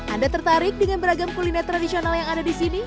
anda tertarik dengan beragam kuliner tradisional yang ada disini